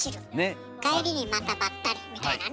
帰りにまたバッタリ！みたいなね。